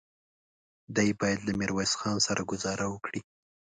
دی بايد له ميرويس خان سره ګذاره وکړي.